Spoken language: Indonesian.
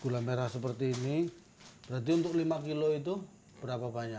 gula merah seperti ini berarti untuk lima kilo itu berapa banyak